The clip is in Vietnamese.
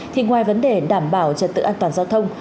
thì ngoài vấn đề đảm bảo trật tự an toàn giao thông